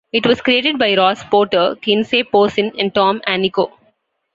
It was created by Ross Porter, Kinsey Posen and Tom Anniko.